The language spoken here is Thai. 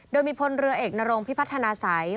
โดยมีพลเรือเอกนรงพิพัฒนาสัย